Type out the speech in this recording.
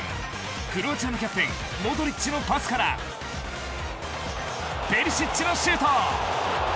クロアチアのキャプテンモドリッチのパスからペリシッチのシュート。